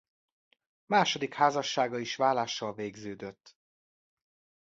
Második házassága is válással végződött.